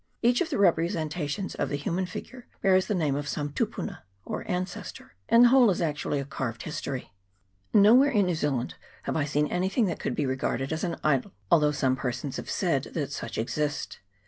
Each of the representations of the human CHAP. XXVI.] MISSION STATION. 391 figure bears the name of some tupuna, or ancestor, and the whole is actually a carved history. Nowhere in New Zealand have I seen anything that could be regarded as an idol, although some persons have said that such exist.